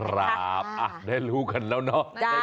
ครับได้รู้กันแล้วเนาะ